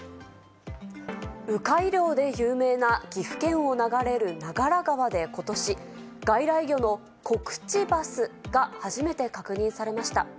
鵜飼い漁で有名な、岐阜県を流れる長良川でことし、外来魚のコクチバスが初めて確認されました。